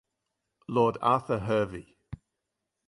Lord Arthur Hervey.